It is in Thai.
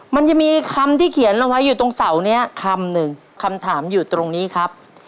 มันจะมีคำที่เขียนเอาไว้อยู่ตรงเสานี้คำหนึ่งคำถามอยู่ตรงนี้ครับ